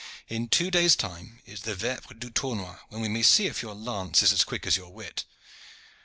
In two days' time is the vepres du tournoi, when we may see if your lance is as quick as your wit."